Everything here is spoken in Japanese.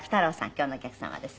今日のお客様です。